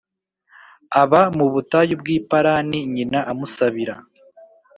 Aba mu butayu bw i Parani nyina amusabira